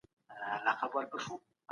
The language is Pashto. د بنده ګانو حقونه مه ضایع کوئ.